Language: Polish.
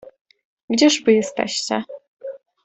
"Gdzież wy jesteście?"